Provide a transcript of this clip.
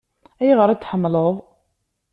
Ayɣer i t-tḥemmleḍ?